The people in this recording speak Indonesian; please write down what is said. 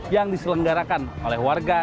yang diselenggarakan oleh warga